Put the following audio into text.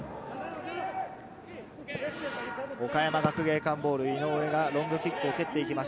岡山学芸館ボール、井上がロングキックを蹴っていきます。